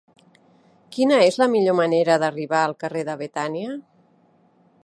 Quina és la millor manera d'arribar al carrer de Betània?